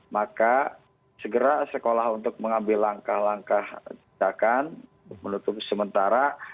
maka segera sekolah untuk mengambil langkah langkah kitakan menutup sementara